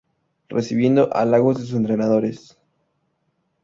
Recibiendo halagos de sus entrenadores.